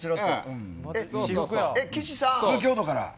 京都から。